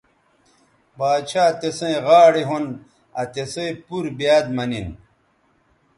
باڇھا تسئیں غاڑے ھون آ تِسئ پور بیاد مہ نن